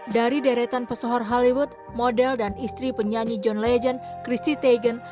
dari deretan pesohor hollywood model dan istri penyanyi john legend christie tagan